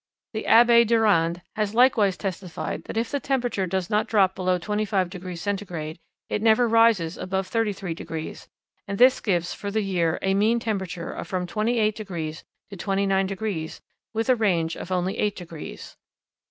The Abbé Durand has likewise testified that if the temperature does not drop below 25 degrees Centigrade, it never rises above 33 degrees, and this gives for the year a mean temperature of from 28 degrees to 29 degrees, with a range of only 8 degrees.